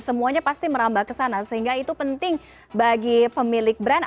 semuanya pasti merambah ke sana sehingga itu penting bagi pemilik brand